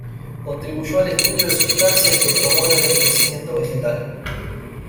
Contribuyó al estudio de sustancias que promueven el crecimiento vegetal.